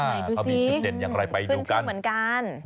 ไหนดูสิเขามีขึ้นเด่นอย่างไรไปดูกันขึ้นชื่อเหมือนกัน